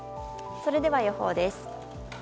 それでは予報です。